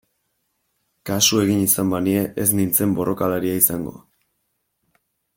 Kasu egin izan banie ez nintzen borrokalaria izango...